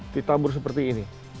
ditabur seperti ini